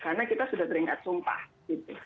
karena kita sudah teringat sumpah gitu